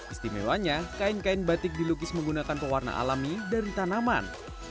istimewanya kain kain batik dilukis menggunakan pewarna alami dari tanaman